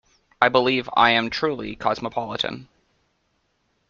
I believe I am truly cosmopolitan.